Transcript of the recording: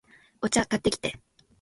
お茶、買ってきて